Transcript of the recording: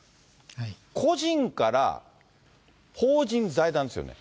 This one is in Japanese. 個人から法人、財団ですよね。